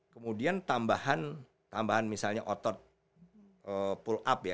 kemudian tambahan misalnya otot pull up ya